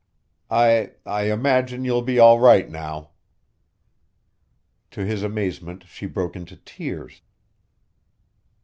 "I ... I imagine you'll be all right now." To his amazement she broke into tears.